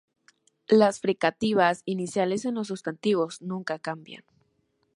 Las fricativas iniciales en los sustantivos nunca cambian.